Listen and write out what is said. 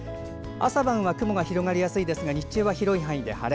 朝晩は雲が広がりやすいですが日中は広い範囲で晴れ。